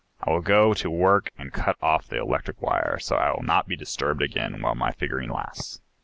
I will go to work and cut off the electric wire, so I will not be disturbed again while my figuring lasts."